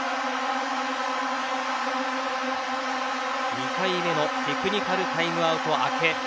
２回目のテクニカルタイムアウト開け。